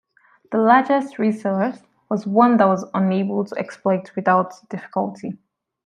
The largest resource was one that was unable to exploit without difficulty.